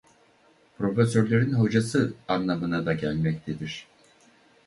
Profesörlerin hocası anlamına da gelmektedir.